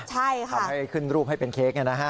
ใช่ค่ะทำให้ขึ้นรูปให้เป็นเค้ก